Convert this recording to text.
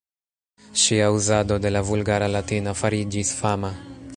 Ŝia uzado de la Vulgara Latina fariĝis fama.